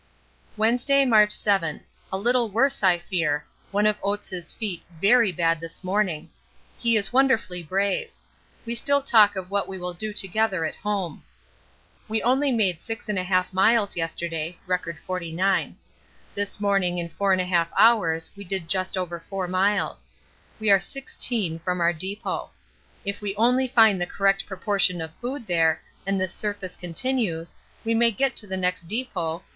Wednesday, March 7. A little worse I fear. One of Oates' feet very bad this morning; he is wonderfully brave. We still talk of what we will do together at home. We only made 6 1/2 miles yesterday. (R. 49.) This morning in 4 1/2 hours we did just over 4 miles. We are 16 from our depot. If we only find the correct proportion of food there and this surface continues, we may get to the next depot [Mt.